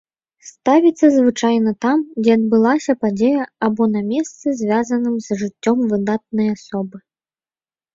Ставіцца звычайна там, дзе адбылася падзея або на месцы, звязаным з жыццём выдатнай асобы.